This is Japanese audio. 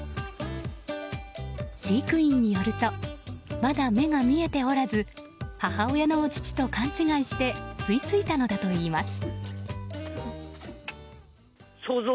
飼育員によるとまだ目が見えておらず母親のお乳と勘違いして吸い付いたのだといいます。